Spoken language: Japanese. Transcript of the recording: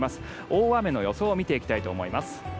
大雨の予想を見ていきたいと思います。